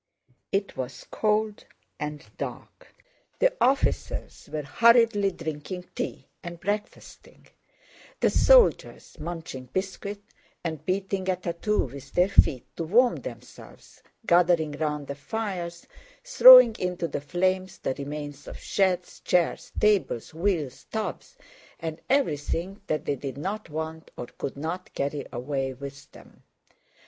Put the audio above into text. It was cold and dark. The officers were hurriedly drinking tea and breakfasting, the soldiers, munching biscuit and beating a tattoo with their feet to warm themselves, gathering round the fires throwing into the flames the remains of sheds, chairs, tables, wheels, tubs, and everything that they did not want or could not carry away with them.